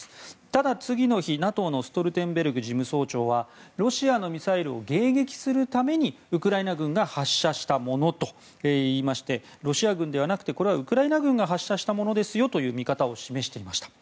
ただ、次の日、ＮＡＴＯのストルテンベルグ事務総長はロシアのミサイルを迎撃するためにウクライナ軍が発射したものと言いましてロシア軍ではなくてウクライナ軍が発射したものですという見方を示していました。